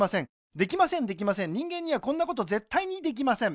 できませんできません人間にはこんなことぜったいにできません